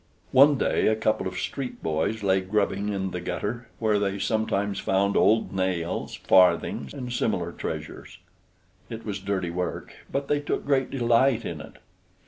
One day a couple of street boys lay grubbing in the gutter, where they sometimes found old nails, farthings, and similar treasures. It was dirty work, but they took great delight in it.